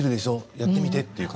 やってみてって。